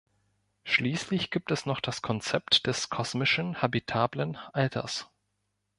Schließlich gibt es noch das Konzept des kosmischen habitablen Alters.